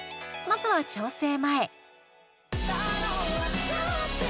まずは調整前。